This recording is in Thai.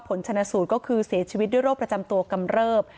ผลชนะสูตรก็คือเสียชีวิตด้วยโรคประจำตัวกำเริบ